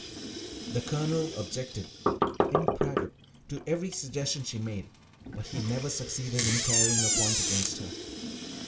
The Colonel objected, in private, to every suggestion she made, but he never succeeded in carrying a point against her.